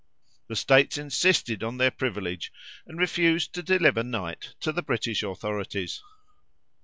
The states insisted on their privilege, and refused to deliver Knight to the British authorities.